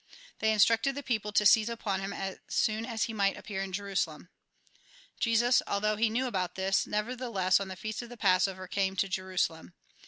They instructed the people to seize upon him as soon as he might appear in Jerusalem. Jesus, although he knew about this, nevertheless, on the feast of the Passover, came to Jerusalem.